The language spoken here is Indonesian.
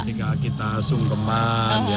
ketika kita sungkeman